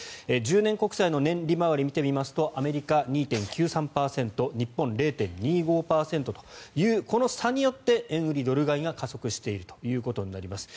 １０年国債の年利利回りを見てみますとアメリカは２．９４％日本は０．２５％というこの差によって円売り・ドル買いが加速しているということになります。